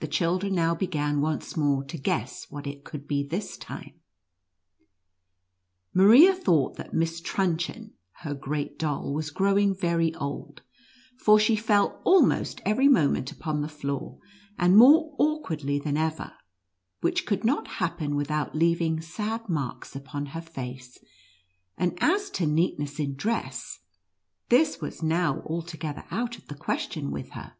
The children now began once more to guess what it could be this time. Maria thought that Miss Trutchen (her great doll) was growing very old, for she fell almost every moment upon the floor, and more awkwardly than ever, which could not happen without leaving sad marks upon her face, and as to neatness in dress, this was now alto gether out of the question with her.